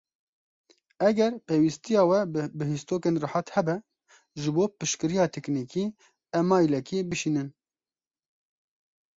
Eger pêwîstiya we bi bihîstokên rihet hebe, ji bo piştgiriya teknîkî emailekî bişînin.